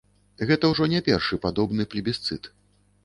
Гэта ўжо не першы падобны плебісцыт.